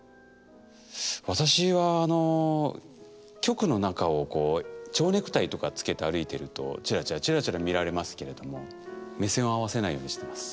私は局の中をちょうネクタイとか着けて歩いてるとチラチラチラチラ見られますけれども目線を合わせないようにしてます。